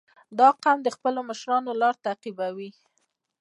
• دا قوم د خپلو مشرانو لار تعقیبوي.